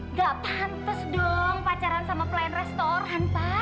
nggak pantes dong pacaran sama plan restoran pak